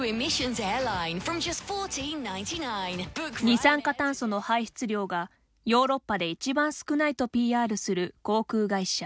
二酸化炭素の排出量がヨーロッパで一番少ないとＰＲする航空会社。